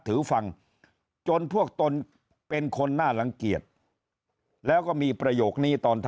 ถือฟังจนพวกตนเป็นคนน่ารังเกียจแล้วก็มีประโยคนี้ตอน